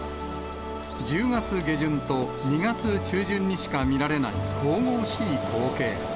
１０月下旬と２月中旬にしか見られない神々しい光景。